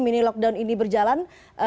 mini lockdown ini berjalan